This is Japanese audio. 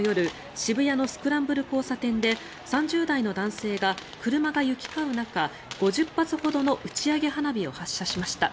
渋谷のスクランブル交差点で３０代の男性が車が行き交う中５０発ほどの打ち上げ花火を発射しました。